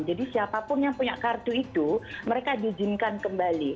jadi siapapun yang punya kartu itu mereka diizinkan kembali